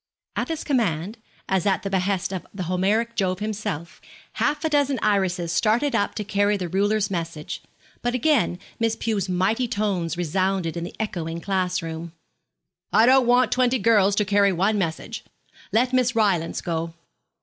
At this command, as at the behest of the Homeric Jove himself, half a dozen Irises started up to carry the ruler's message; but again Miss Pew's mighty tones resounded in the echoing class room. 'I don't want twenty girls to carry one message. Let Miss Rylance go.'